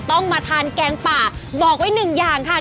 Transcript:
ต้องมาทานแกงป่าบอกไว้หนึ่งอย่างค่ะ